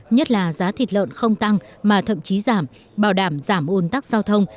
nhất là giá thịt lợn không tăng mà thậm chí giảm bảo đảm giảm ồn tắc giao thông